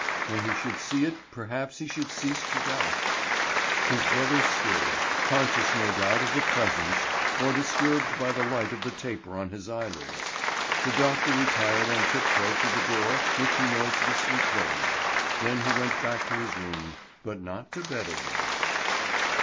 When he should see it perhaps he should cease to doubt! His brother stirred, conscious no doubt of a presence, or disturbed by the light of the taper on his eyelids. The doctor retired on tip toe to the door which he noiselessly closed; then he went back to his room, but not to bed again.